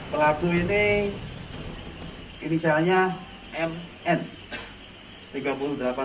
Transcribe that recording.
pelaku ini ini caranya m